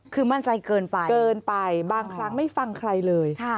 คือมั่นใจเกินไปเกินไปบางครั้งไม่ฟังใครเลย